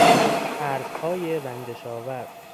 حرفهای رنجش آور